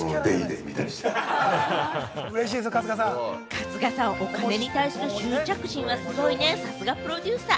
春日さん、お金に対する執着心がすごいね、さすがプロデューサー！